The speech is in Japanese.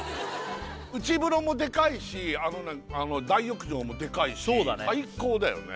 内風呂もデカいし大浴場もデカいしそうだね最高だよね